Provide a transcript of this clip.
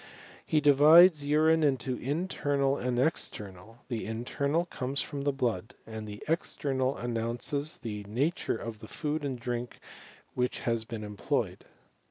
He divides urine into internal and external ; the internal comes from the blood, and the exteraal announces the na ture of the food and drink which has been employed.